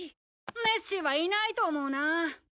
ネッシーはいないと思うな。